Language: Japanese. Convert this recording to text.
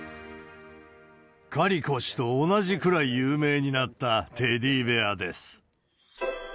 カリコ氏と同じくらい有名になったテディベアです。